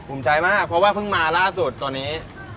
ใจมากเพราะว่าเพิ่งมาล่าสุดตอนนี้